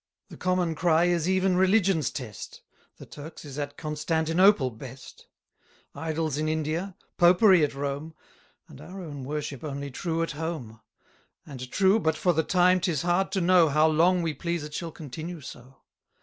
The common cry is even religion's test The Turk's is at Constantinople best; Idols in India; Popery at Rome; And our own worship only true at home: And true, but for the time 'tis hard to know How long we please it shall continue so.